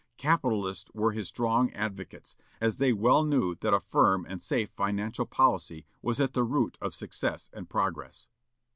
Capitalists were his strong advocates, as they well knew that a firm and safe financial policy was at the root of success and progress.